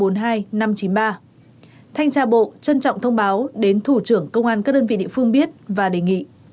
thanh tra bộ trân trọng thông báo đến thủ trưởng công an các đơn vị địa phương biết và đề nghị